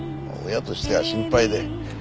親としては心配で。